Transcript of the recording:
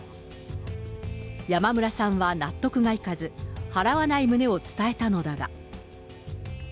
山村さんは納得がいかず、払わない旨を伝えたのだが。